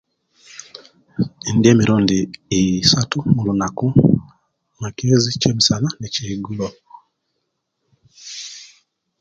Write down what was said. Indiya emirundi isatu olunaku ekyamakeze, ekyemisana ne kyegulo